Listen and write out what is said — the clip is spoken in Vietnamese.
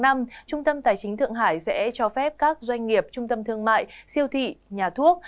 trung tâm tài chính thượng hải sẽ cho phép các doanh nghiệp trung tâm thương mại siêu thị nhà thuốc